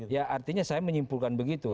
ya artinya saya menyimpulkan begitu